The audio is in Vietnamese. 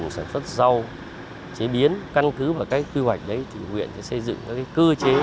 sản xuất rau chế biến căn cứ và các cái quy hoạch đấy thì huyện sẽ xây dựng các cái cơ chế